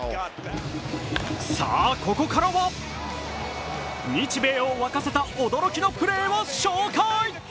さあ、ここからは日米を沸かせた驚きのプレーを紹介。